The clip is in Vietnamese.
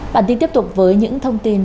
bản tin tiếp tục với những thông tin